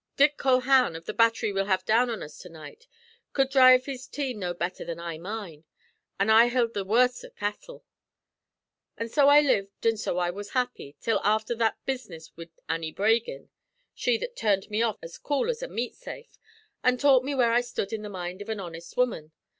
Dick Coulhan, of the battery we'll have down on us to night, could dhrive his team no better than I mine; an' I hild the worser cattle. An' so I lived an' so I was happy, till afther that business wid Annie Bragin she that turned me off as cool as a meat safe, an' taught me where I stud in the mind av an honest woman.